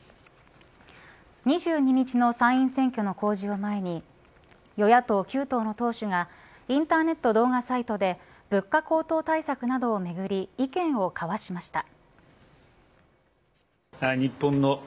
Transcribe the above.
２２日の参院選挙の公示を前に与野党９党の党首がインターネット動画サイトで物価高騰対策などをめぐり意見を交わしました。